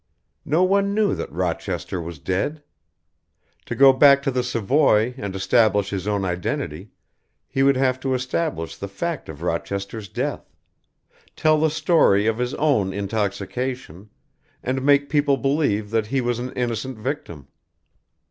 No one knew that Rochester was dead. To go back to the Savoy and establish his own identity, he would have to establish the fact of Rochester's death, tell the story of his own intoxication, and make people believe that he was an innocent victim.